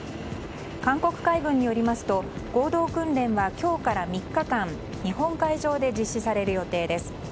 韓国海軍によりますと合同訓練は今日から３日間日本海上で実施される予定です。